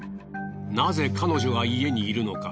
なぜ彼女が家にいるのか？